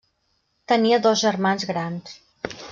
Tenia dos germans grans.